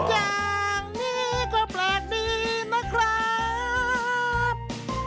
อย่างนี้ก็แปลกดีนะครับ